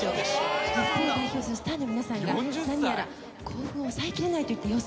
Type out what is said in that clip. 「日本を代表するスターの皆さんが何やら興奮を抑えきれないといった様子なんです」